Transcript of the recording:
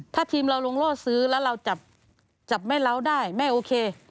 ถ้าทีมเราลงล่อซื้อแล้วเราจับแม่เล้าได้แม่โอเค